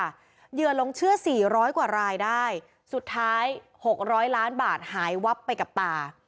เหยื่อหลงเชื่อสี่ร้อยกว่ารายได้สุดท้าย๖๐๐ล้านบาทหายวับไปกับตา